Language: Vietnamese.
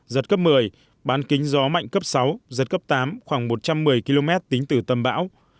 giật cấp một mươi bán kính gió mạnh cấp sáu giật cấp tám khoảng một trăm một mươi km tính từ tâm bão